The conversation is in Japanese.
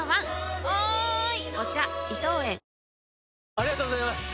ありがとうございます！